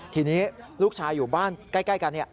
ทีนี้ลูกชายอยู่บ้านใกล้กัน